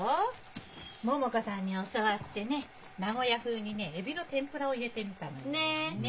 桃子さんに教わってね名古屋風にねエビの天ぷらを入れてみたの。ね。ね。